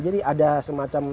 jadi ada semacam